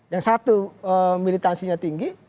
yang satu militansinya tinggi